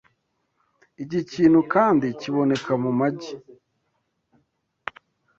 Iki kintu kandi kiboneka mu magi